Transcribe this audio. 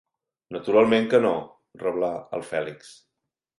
Naturalment que no —rebla el Fèlix—.